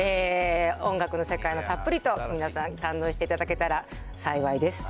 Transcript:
音楽の世界をたっぷりと皆さん、堪能していただけたら幸いです。